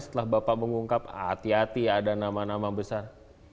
setelah bapak mengungkap hati hati ada nama nama besar